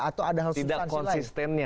atau ada hal hal lain